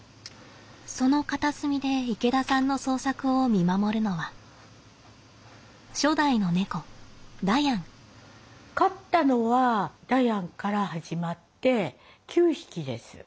その片隅で池田さんの創作を見守るのは飼ったのはダヤンから始まって９匹です。